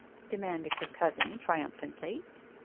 demanded her cousin triumphantly.